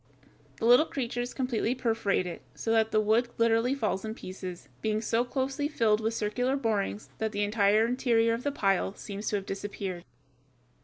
The little creatures completely perforate it, so that the wood literally falls in pieces, being so closely filled with circular borings that the entire interior of the pile seems to have disappeared.